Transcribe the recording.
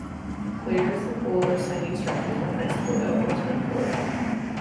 Players in bold are signees drafted from high school that will attend Florida.